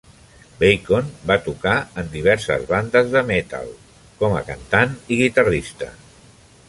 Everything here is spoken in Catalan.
Bacon va tocar en diverses bandes de metal, com a cantant i guitarrista.